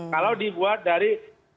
kalau dibuat dari